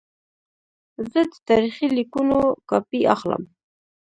زه د تاریخي لیکونو کاپي اخلم.